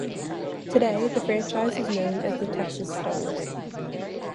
Today, the franchise is known as the Texas Stars.